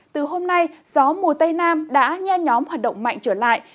từ hôm nay gió mùa tây nam đã nhe nhóm hoạt động mạnh trở lại